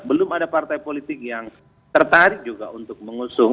belum ada partai politik yang tertarik juga untuk mengusung